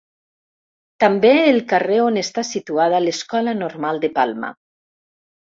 També el carrer on està situada l'Escola Normal de Palma.